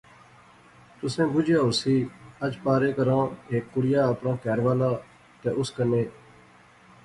تسیں بجیا ہوسی اج پارے گراں ہیک کڑیا اپنا کہھر والا تے اس کنے